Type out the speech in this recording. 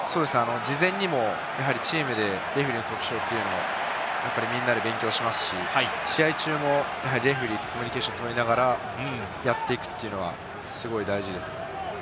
事前に、チームでも、レフェリーの特徴を勉強しますし、試合中もレフェリーとコミュニケーションを取りながらやっていくというのはすごく大事ですね。